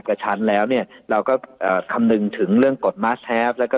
กระชั้นแล้วเนี่ยเราก็เอ่อคำนึงถึงเรื่องกฎมาสแฮปแล้วก็